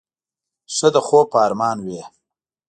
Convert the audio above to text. ښه د خوب په ارمان وې.